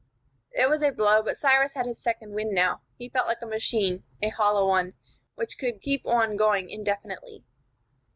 It was a blow, but Cyrus had his second wind now. He felt like a machine a hollow one which could keep on going indefinitely.